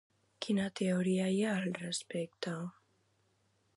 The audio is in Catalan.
Quina teoria hi ha al respecte?